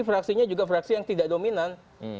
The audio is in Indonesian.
fraksinya juga fraksi yang tidak dominan